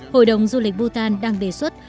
hội đồng du lịch bhutan đang đề xuất